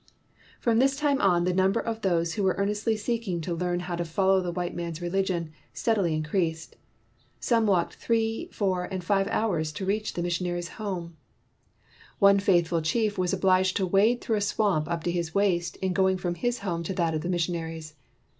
From this time on, the number of those who were earnestly seeking to learn how to follow the white man's religion steadily in creased. Some walked three, four, and five hours to reach the missionaries' home. 158 The Chief Teaching His Wives'' TEACHING MAKES NEW MEN One faithful chief was obliged to wade through a swamp up to his waist in going from his home to that of the missionaries.